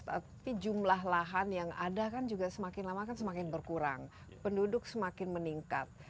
tapi jumlah lahan yang ada kan juga semakin lama kan semakin berkurang penduduk semakin meningkat